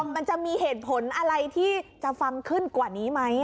มันจะมีเหตุผลอะไรที่จะฟังขึ้นกว่านี้ไหม